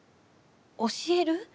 教える？